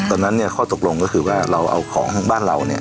ตอนนั้นเนี่ยข้อตกลงก็คือว่าเราเอาของบ้านเราเนี่ย